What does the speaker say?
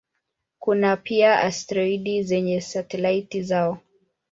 Kuna pia asteroidi zenye satelaiti zao.